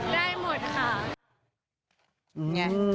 ได้หมดค่ะ